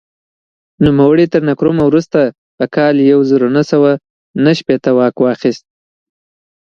نوموړي تر نکرومه وروسته په کال یو زر نهه سوه نهه شپېته واک واخیست.